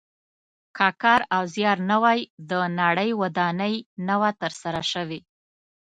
که کار او زیار نه وای د نړۍ ودانۍ نه وه تر سره شوې.